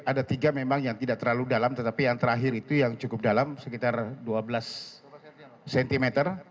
ada tiga memang yang tidak terlalu dalam tetapi yang terakhir itu yang cukup dalam sekitar dua belas cm